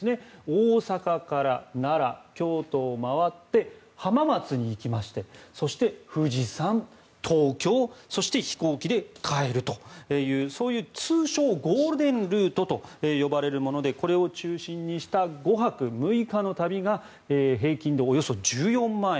大阪から奈良、京都を回って浜松に行きましてそして富士山、東京そして飛行機で帰るというそういう通称ゴールデンルートと呼ばれるものでこれを中心にした５泊６日の旅が平均でおよそ１４万円。